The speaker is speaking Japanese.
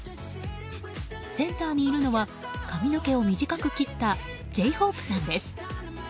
センターにいるのは髪の毛を短く切ったＪ‐ＨＯＰＥさんです。